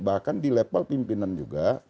bahkan di level pimpinan juga